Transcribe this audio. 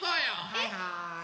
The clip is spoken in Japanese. はいはい。